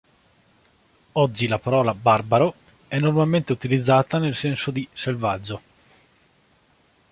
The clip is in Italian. Oggi la parola "barbaro" è normalmente utilizzata nel senso di "selvaggio".